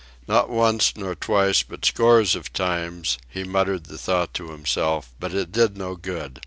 Not once, nor twice, but scores of times, he muttered the thought to himself, but it did no good.